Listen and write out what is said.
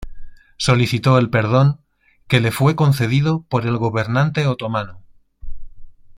Solicitó el perdón, que le fue concedido por el gobernante otomano.